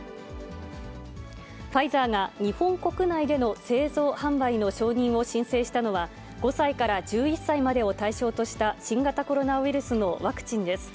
ファイザーが日本国内での製造販売の承認を申請したのは、５歳から１１歳までを対象とした新型コロナウイルスのワクチンです。